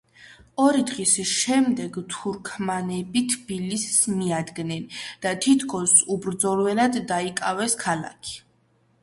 ორი დღის შემდეგ თურქმანები თბილისს მიადგნენ და თითქმის უბრძოლველად დაიკავეს ქალაქი.